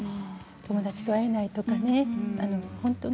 友達と会えないとかね